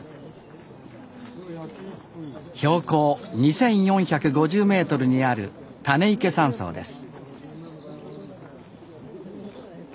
標高２，４５０ｍにある種池山荘です